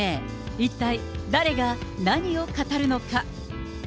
一体誰が何を語るのか。